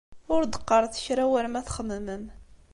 Ur d-teqqaṛet kra war ma txemmemem.